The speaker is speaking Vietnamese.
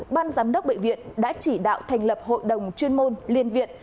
ban giám đốc bệnh viện đã chỉ đạo thành lập hội đồng chuyên môn liên viện